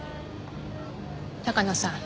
高野さん